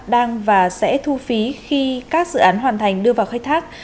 đang và sẽ thu phí khi các dự án hoàn thành đưa vào khai thác